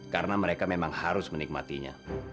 karena mereka memang harus menikmatinya